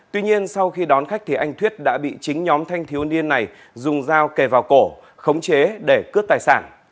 tuy nhiên sau khi đón khách thì anh thuyết đã bị chính nhóm thanh thiếu niên này dùng dao kề vào cổ khống chế để cướp tài sản